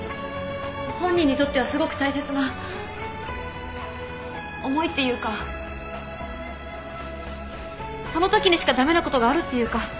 本人にとってはすごく大切な思いっていうかそのときにしか駄目なことがあるっていうか